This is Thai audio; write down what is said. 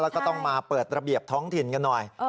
แล้วก็ต้องมาเปิดระเบียบท้องถิ่นกันหน่อย